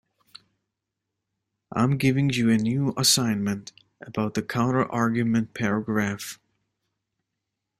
I am giving you a new assignment about the counterargument paragraph.